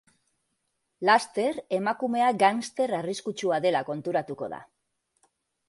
Laster, emakumea gangster arriskutsua dela konturatuko da.